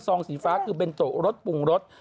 สีฟ้าคือเบนโจรสปรุงรส